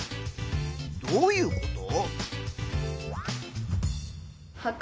どういうこと？